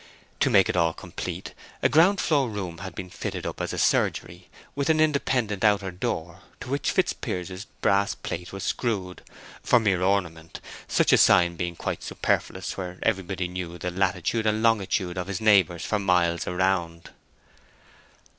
To make it all complete a ground floor room had been fitted up as a surgery, with an independent outer door, to which Fitzpiers's brass plate was screwed—for mere ornament, such a sign being quite superfluous where everybody knew the latitude and longitude of his neighbors for miles round.